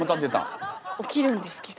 起きるんですけど。